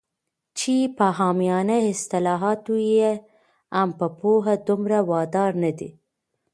چې په عامیانه اصطلاحاتو یې هم پوهه دومره وارده نه ده